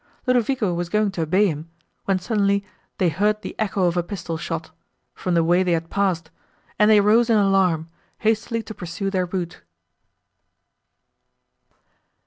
Ludovico was going to obey him, when suddenly they heard the echo of a pistol shot, from the way they had passed, and they rose in alarm, hastily to pursue their route.